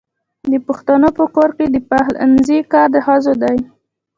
د پښتنو په کور کې د پخلنځي کار د ښځو دی.